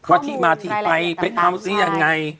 วัติมาที่ไปเป็นเฮาสิยังไง